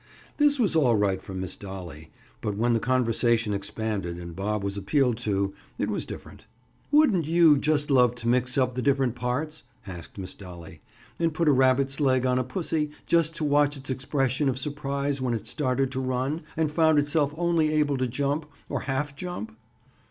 This was all right from Miss Dolly, but when the conversation expanded and Bob was appealed to, it was different. "Wouldn't you just love to mix up the different 'parts'?" asked Miss Dolly, and put a rabbit's leg on a pussy, just to watch its expression of surprise when it started to run and found itself only able to jump, or half jump?